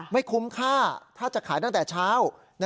คุ้มค่าถ้าจะขายตั้งแต่เช้า